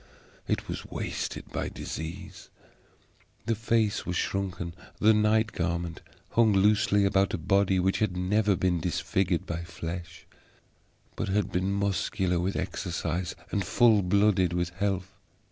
It was wasted by disease; the face was shrunken; the night garment hung loosely about a body which had never been disfigured by flesh, but had been muscular with exercise and full blooded with health.